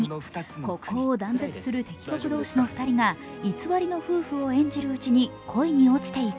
国交を断絶する敵国同士の２人が偽りの夫婦を演じるうちに恋に落ちていく。